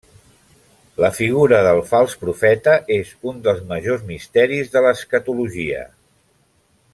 La figura del Fals Profeta és un dels majors misteris de l'escatologia.